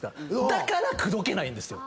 だから口説けないんですよ。